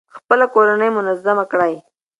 خپله کورنۍ منظمه کړئ.